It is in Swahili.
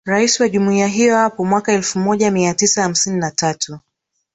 Rais wa Jumuiya hiyo hapo mwaka elfu mia tisa hamsini na tatu